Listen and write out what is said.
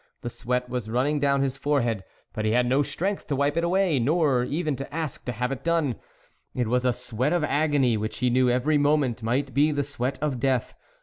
The sweat was running down his forehead, but he had no strength to wipe it away, nor even to ask to have it done. It was a sweat of agony which he knew every moment might be the sweat of death.